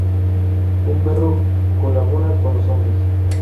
Un perro colabora con los hombres.